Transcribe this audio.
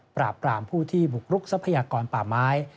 ปราบปรามผู้ที่บุกรุกทรัพยากรป่าไม้